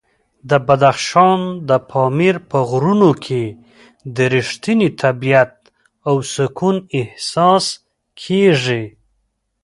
د بدخشان د پامیر په غرونو کې د رښتیني طبیعت او سکون احساس کېږي.